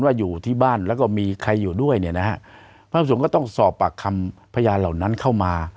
ว่าอยู่ที่บ้านแล้วก็มีใครอยู่ด้วยเนี่ยนะฮะพระสงฆ์ก็ต้องสอบปากคำพยานเหล่านั้นเข้ามา